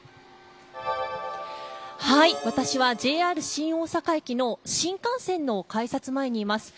私はＪＲ新大阪駅の新幹線の改札前にいます。